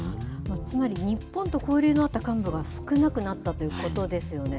つまり、日本と交流のあった幹部が少なくなったということですよね。